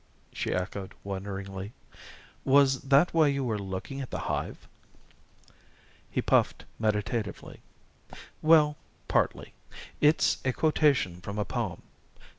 she echoed wonderingly; "was that why you were looking at the hive?" He puffed meditatively, "Well partly. It's a quotation from a poem.